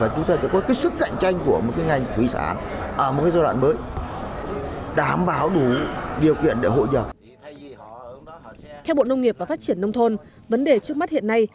theo bộ nông nghiệp và phát triển nông thôn vấn đề trước mắt hiện nay